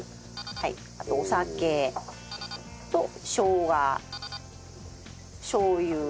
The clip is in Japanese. あとお酒としょうがしょう油。